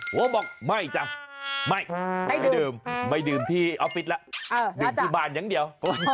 บอกไม่จ้ะไม่ไม่ดื่มไม่ดื่มที่ออฟฟิศแล้วดื่มที่บ้านอย่างเดียว